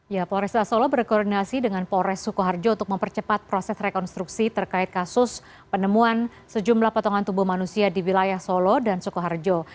ya polresta solo berkoordinasi dengan polres sukoharjo untuk mempercepat proses rekonstruksi terkait kasus penemuan sejumlah potongan tubuh manusia di wilayah solo dan sukoharjo